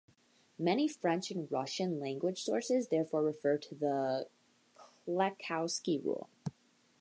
Many French- and Russian-language sources therefore refer to the Klechkowski rule.